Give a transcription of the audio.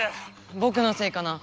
ぼくのせいかな。